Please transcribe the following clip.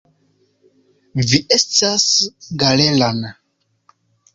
Vi estas Galeran.